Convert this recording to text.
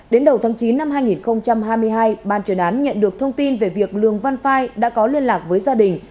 đến đầu tháng chín năm hai nghìn hai mươi hai ban truyền án nhận được thông tin về việc lường văn phai đã có liên lạc với gia đình